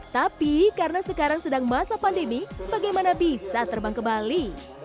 tapi karena sekarang sedang masa pandemi bagaimana bisa terbang ke bali